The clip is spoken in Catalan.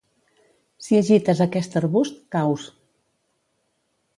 Si agites aquest arbust, caus.